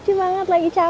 lucu banget lagi capek